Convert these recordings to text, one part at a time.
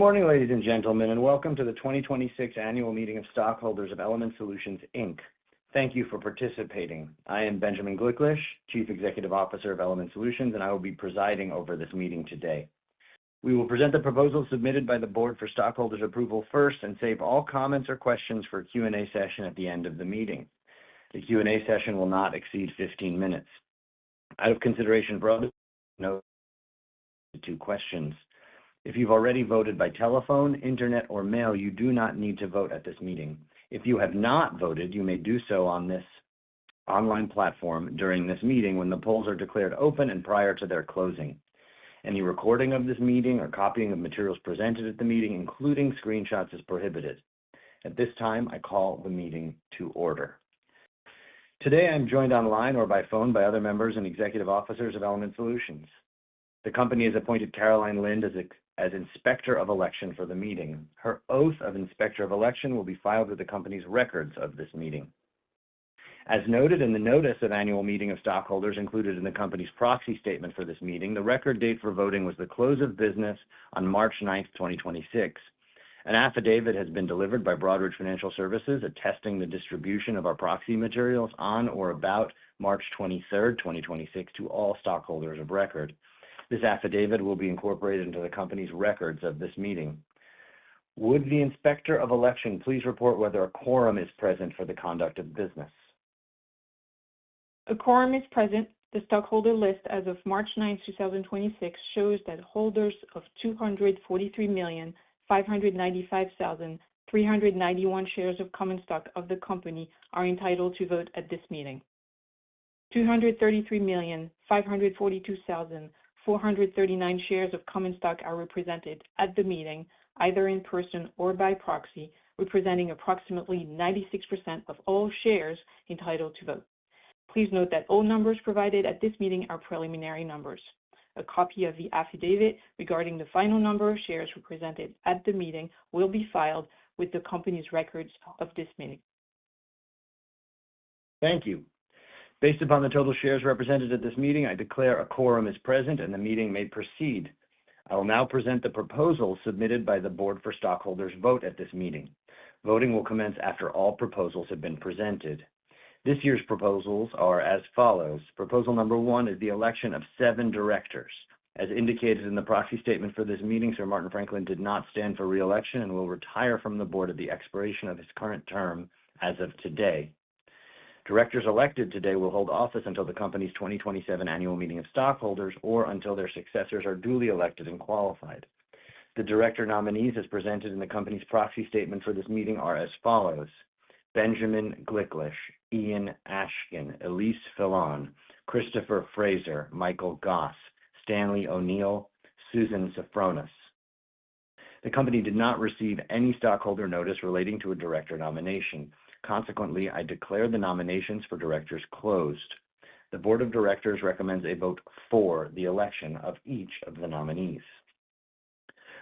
Good morning, ladies and gentlemen, and welcome to the 2026 Annual Meeting of Stockholders of Element Solutions Inc. Thank you for participating. I am Benjamin Gliklich, Chief Executive Officer of Element Solutions, and I will be presiding over this meeting today. We will present the proposals submitted by the board for stockholders' approval first and save all comments or questions for a Q&A session at the end of the meeting. The Q&A session will not exceed 15 minutes out of consideration for time. Two questions. If you have not voted by telephone, internet, or mail, you do not need to vote at this meeting. If you have not voted, you may do so on this online platform during this meeting when the polls are declared open and prior to their closing. Any recording of this meeting or copying of materials presented at the meeting, including screenshots, is prohibited. At this time, I call the meeting to order. Today I'm joined online or by phone by other members and executive officers of Element Solutions. The company has appointed Caroline Lind as Inspector of Election for the meeting. Her oath of Inspector of Election will be filed with the company's records of this meeting. As noted in the Notice of Annual Meeting of Stockholders included in the company's proxy statement for this meeting, the record date for voting was the close of business on March 9, 2026. An affidavit has been delivered by Broadridge Financial Services attesting the distribution of our proxy materials on or about March 23, 2026, to all stockholders of record. This affidavit will be incorporated into the company's records of this meeting. Would the Inspector of Election please report whether a quorum is present for the conduct of business?. A quorum is present. The stockholder list as of March 9, 2026 shows that holders of 243,595,391 shares of common stock of the company are entitled to vote at this meeting. 233,542,439 shares of common stock are represented at the meeting, either in person or by proxy, representing approximately 96% of all shares entitled to vote. Please note that all numbers provided at this meeting are preliminary numbers. A copy of the affidavit regarding the final number of shares represented at the meeting will be filed with the company's records of this meeting. Thank you. Based upon the total shares represented at this meeting, I declare a quorum is present, and the meeting may proceed. I will now present the proposals submitted by the board for stockholders' vote at this meeting. Voting will commence after all proposals have been presented. This year's proposals are as follows. Proposal number one is the election of seven directors. As indicated in the proxy statement for this meeting, Sir Martin Franklin did not stand for re-election and will retire from the board at the expiration of his current term as of today. Directors elected today will hold office until the company's 2027 annual meeting of stockholders or until their successors are duly elected and qualified. The director nominees, as presented in the company's proxy statement for this meeting, are as follows. Benjamin Gliklich, Ian G. H. Ashken, Elyse Napoli Filon, Christopher Fraser, Michael Goss, E. Stanley O'Neal, Susan W. Sofronas. The company did not receive any stockholder notice relating to a director nomination. I declare the nominations for directors closed. The board of directors recommends a vote for the election of each of the nominees.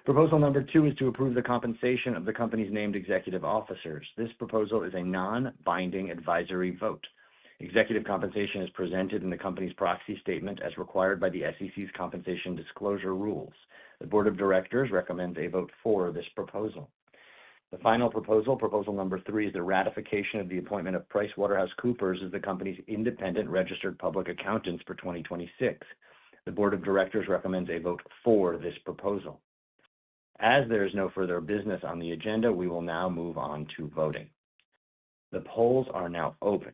Proposal number two is to approve the compensation of the company's named executive officers. This proposal is a non-binding advisory vote. Executive compensation is presented in the company's proxy statement as required by the SEC's compensation disclosure rules. The board of directors recommends a vote for this proposal. The final proposal number three, is the ratification of the appointment of PricewaterhouseCoopers as the company's independent registered public accountants for 2026. The board of directors recommends a vote for this proposal. As there is no further business on the agenda, we will now move on to voting. The polls are now open.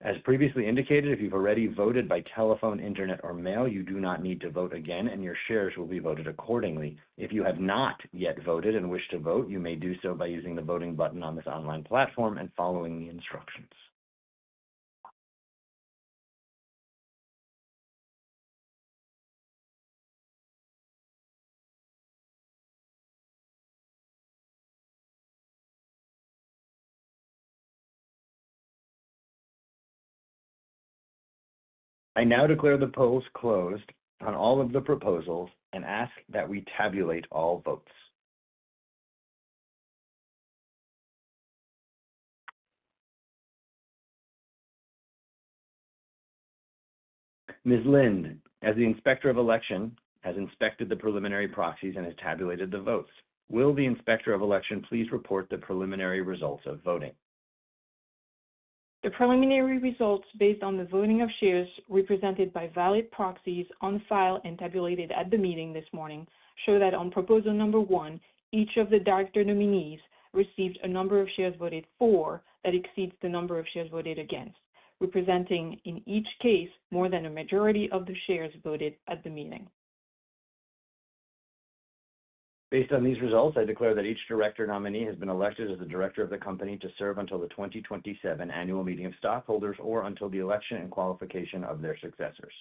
As previously indicated, if you've already voted by telephone, internet, or mail, you do not need to vote again, and your shares will be voted accordingly. If you have not yet voted and wish to vote, you may do so by using the voting button on this online platform and following the instructions. I now declare the polls closed on all of the proposals and ask that we tabulate all votes. Ms. Lind, as the Inspector of Election, has inspected the preliminary proxies and has tabulated the votes. Will the Inspector of Election please report the preliminary results of voting? The preliminary results based on the voting of shares represented by valid proxies on file and tabulated at the meeting this morning show that on proposal number one, each of the director nominees received a number of shares voted for that exceeds the number of shares voted against, representing, in each case, more than a majority of the shares voted at the meeting. Based on these results, I declare that each director nominee has been elected as a director of the company to serve until the 2027 annual meeting of stockholders or until the election and qualification of their successors.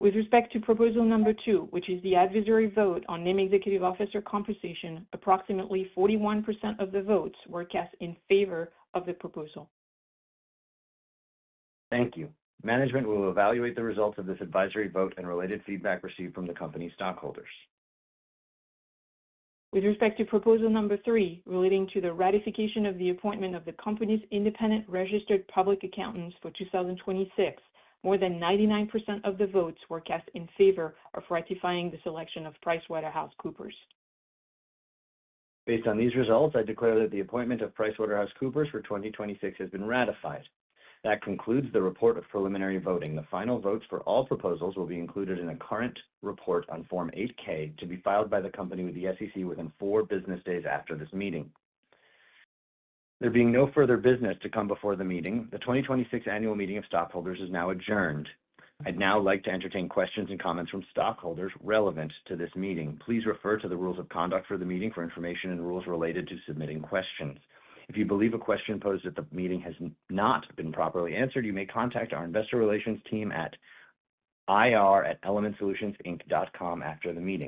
With respect to proposal number two, which is the advisory vote on named executive officer compensation, approximately 41% of the votes were cast in favor of the proposal. Thank you. Management will evaluate the results of this advisory vote and related feedback received from the company's stockholders. With respect to proposal number three, relating to the ratification of the appointment of the company's independent registered public accountants for 2026, more than 99% of the votes were cast in favor of ratifying the selection of PricewaterhouseCoopers. Based on these results, I declare that the appointment of PricewaterhouseCoopers for 2026 has been ratified. That concludes the report of preliminary voting. The final votes for all proposals will be included in a current report on Form 8-K, to be filed by the company with the SEC within four business days after this meeting. There being no further business to come before the meeting, the 2026 annual meeting of stockholders is now adjourned. I'd now like to entertain questions and comments from stockholders relevant to this meeting. Please refer to the rules of conduct for the meeting for information and rules related to submitting questions. If you believe a question posed at the meeting has not been properly answered, you may contact our investor relations team at ir@elementsolutionsinc.com after the meeting.